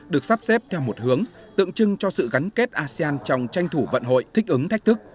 được sắp xếp theo một hướng tượng trưng cho sự gắn kết asean trong tranh thủ vận hội thích ứng thách thức